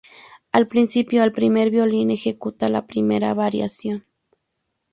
Al principio, el primer violín ejecuta la primera variación.